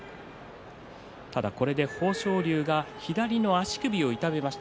ただこれで豊昇龍は左の足首を痛めました。